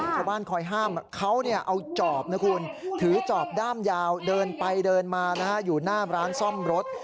คอยห้ามเขาเอาจอบนะคุณถือจอบด้ามยาวเดินไปเดินมาอยู่หน้าร้านซ่อมรถ